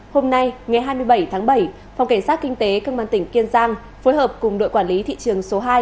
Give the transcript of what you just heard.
hôm nay ngày hai mươi bảy tháng bảy phòng cảnh sát kinh tế công an tỉnh kiên giang phối hợp cùng đội quản lý thị trường số hai